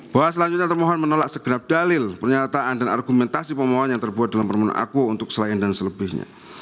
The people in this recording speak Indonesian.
bahwa selanjutnya termohon menolak segera dalil pernyataan dan argumentasi pemohon yang terbuat dalam permohonan aku untuk selain dan selebihnya